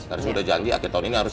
terus udah janji akhir tahun ini harus